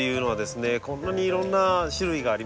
こんなにいろんな種類があります。